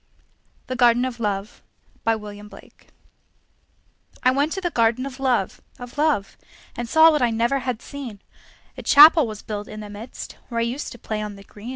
THE GARDEN OF LOVE I went to the Garden of Love, And saw what I never had seen; A Chapel was built in the midst, Where I used to play on the green.